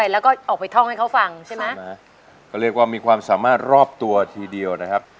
เรียกว่ามีความสามารถรอบตัวทีเดียวนะครับ